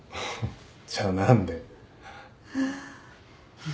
じゃあ何で？